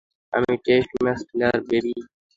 আমি test match player, baby.